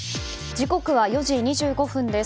時刻は４時２５分です。